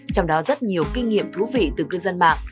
trong đó rất nhiều kinh nghiệm thú vị từ cư dân mạng